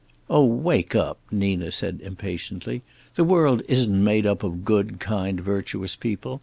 "Oh, wake up," Nina said impatiently. "The world isn't made up of good, kind, virtuous people.